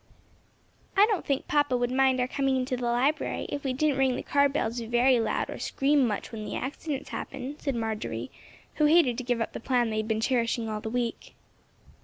"I don't think papa would mind our coming into the library, if we didn't ring the car bells very loud or scream much when the accidents happen," said Marjory, who hated to give up the plan they had been cherishing all the week.